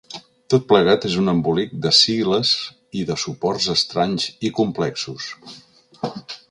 Tot plegat és un embolic de sigles i de suports estranys i complexos.